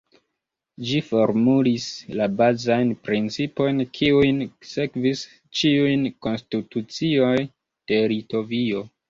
Ĝi formulis la bazajn principojn kiujn sekvis ĉiujn konstitucioj de Litovio.